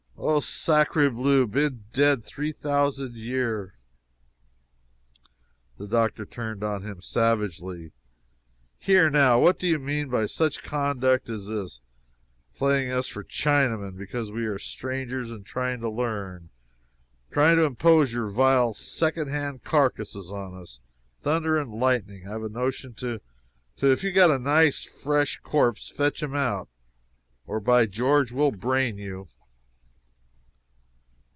"Oh, sacre bleu, been dead three thousan' year!" The doctor turned on him savagely: "Here, now, what do you mean by such conduct as this! Playing us for Chinamen because we are strangers and trying to learn! Trying to impose your vile second hand carcasses on us! thunder and lightning, I've a notion to to if you've got a nice fresh corpse, fetch him out! or by George we'll brain you!"